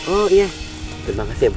oh iya terima kasih ya bu